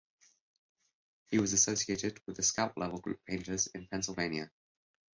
He was associated with the Scalp Level Group painters in Pennsylvania.